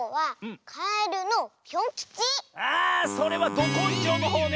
あそれはどこんじょうのほうね！